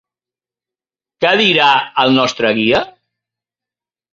Què dirà, el nostre guia?